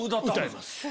歌います。